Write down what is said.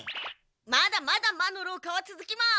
まだまだ魔の廊下はつづきます。